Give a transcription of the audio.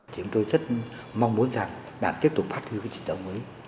chúng tôi rất mong muốn rằng đảng tiếp tục phát huy với chính trị mới